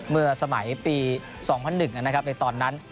เมื่อสมัยปี๒๐๐๑นะครับในตอนนั้น